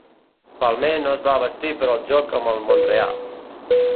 Palmer no es va vestir per al joc amb el Montreal.